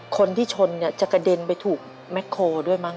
คนที่ชนเนี่ยจะกระเด็นไปถูกแม็กโคด้วยมั้